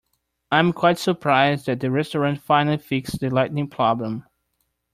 I am quite surprised that the restaurant finally fixed the lighting problem.